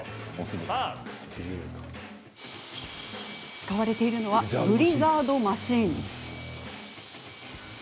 使われているのはブリザードマシン。